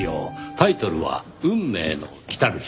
タイトルは『運命の来たる日』。